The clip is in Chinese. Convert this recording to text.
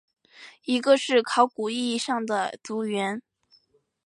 一个是考古意义上的族源。